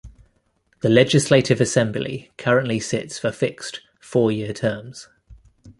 The Legislative Assembly currently sits for fixed four-year terms.